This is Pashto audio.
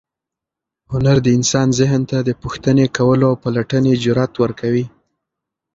هنر د انسان ذهن ته د پوښتنې کولو او پلټنې جرات ورکوي.